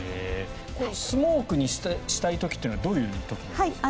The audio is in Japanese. スモークにしたい時というのはどういう時なんですか。